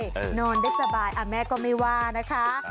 ลูกหลับได้นอนได้สบายอะแม่ก็ไม่ว่านะคะ